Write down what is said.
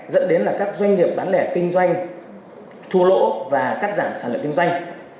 dẫn đến là các doanh nghiệp bán lẻ kinh doanh thua lỗ và cắt giảm sản lượng kinh doanh